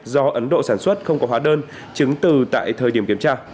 do ấn độ sản xuất không có hóa đơn chứng từ tại thời điểm kiểm tra